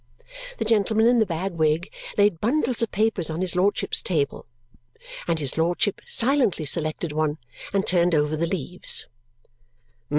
The gentleman in the bag wig laid bundles of papers on his lordship's table, and his lordship silently selected one and turned over the leaves.